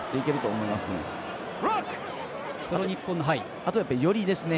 あとは寄りですね。